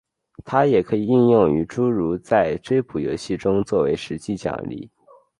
它也可以应用于诸如在追捕游戏中做为实际奖励。